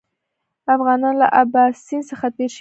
افغانان له اباسین څخه تېر شوي نه وي.